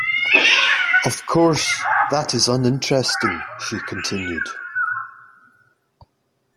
Of course, that is uninteresting, she continued.